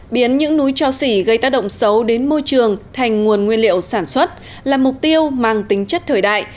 biến những núi cho xỉ gây tác động xấu đến môi trường thành nguồn nguyên liệu sản xuất là mục tiêu mang tính chất thời đại